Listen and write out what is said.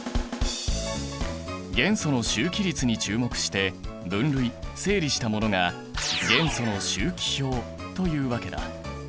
元素の周期律に注目して分類整理したものが元素の周期表というわけだ。